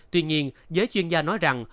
tuy nhiên giới chuyên gia nói rằng